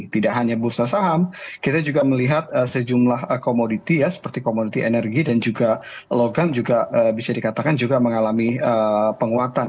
tidak hanya bursa saham kita juga melihat sejumlah komoditi ya seperti komoditi energi dan juga logam juga bisa dikatakan juga mengalami penguatan